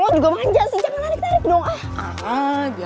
lo juga manja sih jangan larik larik dong